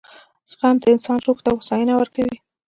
• زغم د انسان روح ته هوساینه ورکوي.